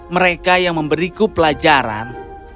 mereka yang memberiku pelajaran